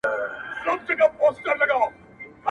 • د نظر غشی به مي نن له شالماره څارې -